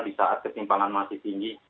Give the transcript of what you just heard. di saat ketimpangan masih tinggi